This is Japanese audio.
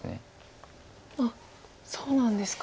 あっそうなんですか。